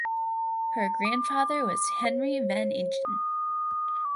Her grandfather was Henry van Ingen.